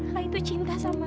raka itu cinta sama nont